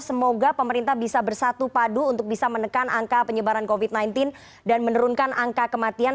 semoga pemerintah bisa bersatu padu untuk bisa menekan angka penyebaran covid sembilan belas dan menurunkan angka kematian